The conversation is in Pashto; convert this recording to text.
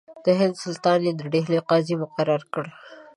د هند سلطان یې د ډهلي قاضي مقرر کړ.